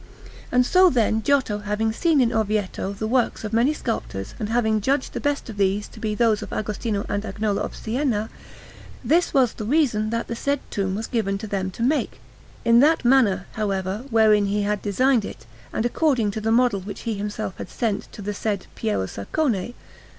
And so then Giotto having seen in Orvieto the works of many sculptors and having judged the best to be those of Agostino and Agnolo of Siena, this was the reason that the said tomb was given to them to make in that manner, however, wherein he had designed it, and according to the model which he himself had sent to the said Piero Saccone.